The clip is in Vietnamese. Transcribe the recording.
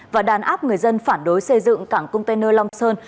và đàn áp người dân phản đối xây dựng cảng container long sơn